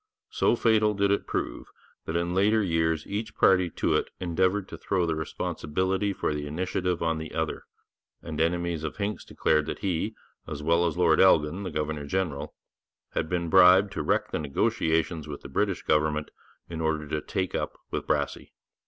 So fatal did it prove that in later years each party to it endeavoured to throw the responsibility for the initiative on the other, and enemies of Hincks declared that he, as well as Lord Elgin, the governor general, had been bribed to wreck the negotiations with the British government in order to take up with Brassey.